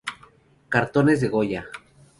Cartones de Goya